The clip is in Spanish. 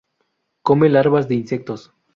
Come larvas de insectos.